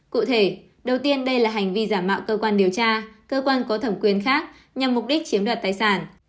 cụ thể đầu tiên đây là hành vi giả mạo cơ quan điều tra cơ quan có thẩm quyền khác nhằm mục đích chiếm đoạt tài sản